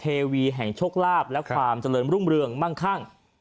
เทวีแห่งโชคลาภและความเจริญรุ่งเรืองมั่งคั่ง